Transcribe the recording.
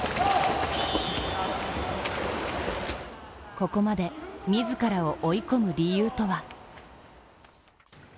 ここまで自らを追い込む理由とは。